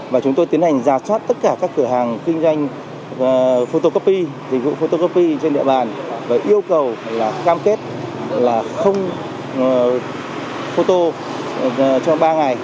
và chúng tôi tiến hành giao xoát tất cả các cửa hàng kinh doanh photocopy dịch vụ photocopy trên địa bàn và yêu cầu là cam kết là không photo cho ba ngày